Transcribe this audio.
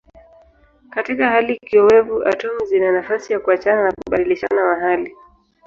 Katika hali kiowevu atomu zina nafasi ya kuachana na kubadilishana mahali.